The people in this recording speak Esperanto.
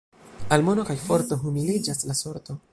Al mono kaj forto humiliĝas la sorto.